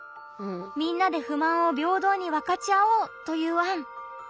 みんなで不満を平等に分かち合おうという案。